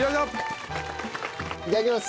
いただきます。